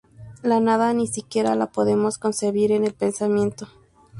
La nada ni siquiera la podemos concebir en el pensamiento.